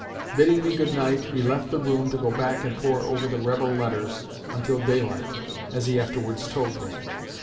Bidding me 'good night,' he left the room to go back and pore over the rebel letters until daylight, as he afterwards told me.